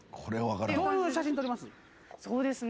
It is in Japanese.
どういう写真撮ります？